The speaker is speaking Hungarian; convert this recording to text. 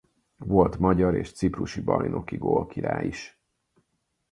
Volt magyar és ciprusi bajnoki gólkirály is.